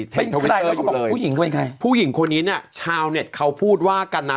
เป็นใครแล้วก็บอกผู้หญิงเขาเป็นใครผู้หญิงคนนี้เนี่ยชาวเน็ตเขาพูดว่ากันนะ